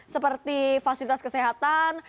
seperti fasilitas kesehatan